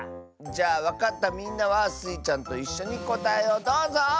じゃあわかったみんなはスイちゃんといっしょにこたえをどうぞ！